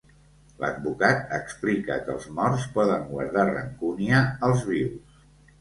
L'advocat explica que els morts poden guardar rancúnia als vius.